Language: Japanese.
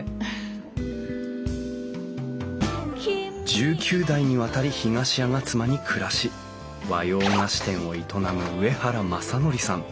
１９代にわたり東吾妻に暮らし和洋菓子店を営む上原政則さん。